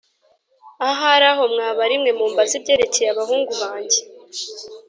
ahari aho mwaba ari mwe mumbaza ibyerekeye abahungu banjye!